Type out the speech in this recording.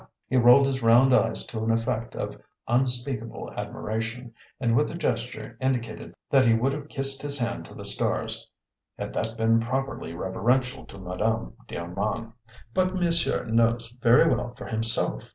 He rolled his round eyes to an effect of unspeakable admiration, and with a gesture indicated that he would have kissed his hand to the stars, had that been properly reverential to Madame d'Armand. "But monsieur knows very well for himself!"